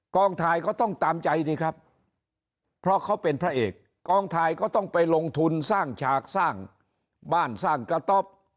ถ่ายก็ต้องตามใจสิครับเพราะเขาเป็นพระเอกกองถ่ายก็ต้องไปลงทุนสร้างฉากสร้างบ้านสร้างกระต๊อบ